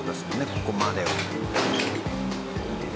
ここまでを。